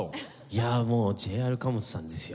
いやあもうＪＲ貨物さんですよ。